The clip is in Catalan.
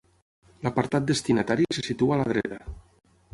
L'apartat destinatari se situa a la dreta.